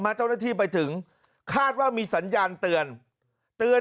หาวหาวหาวหาวหาวหาวหาวหาวหาวหาว